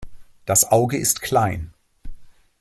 Das Auge ist klein.